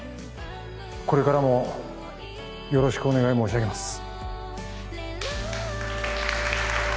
これからもよろしくお願い申し上げます